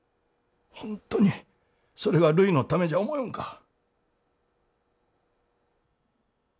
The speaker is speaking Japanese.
本当にそれがるいのためじゃ思よんか。